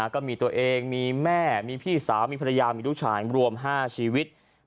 ก็มีตัวเองมีแม่มีพี่สาวมีภรรยามีลูกชายรวม๕ชีวิต